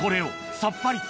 さっぱりと。